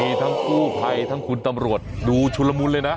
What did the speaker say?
มีทั้งกู้ภัยทั้งคุณตำรวจดูชุลมุนเลยนะ